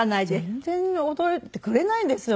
全然驚いてくれないんですよ